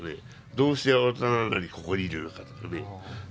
どうして大人なのにここにいるのかとかね。